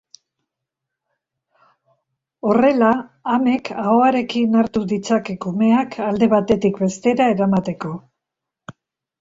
Horrela, amek ahoarekin hartu ditzake kumeak alde batetik bestera eramateko.